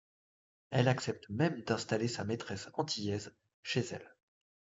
Elle accepte même d'installer sa maîtresse antillaise chez elle...